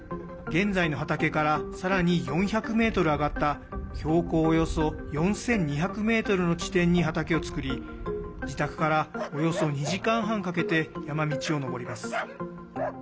現在の畑からさらに４００ｍ上がった標高およそ４２００ｍの地点に畑を作り自宅から、およそ２時間半かけて山道を登ります。